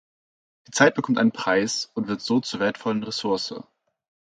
Die Zeit bekommt einen Preis und wird so zur wertvollen Ressource.